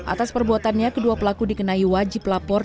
atas perbuatannya kedua pelaku dikenai wajib lapor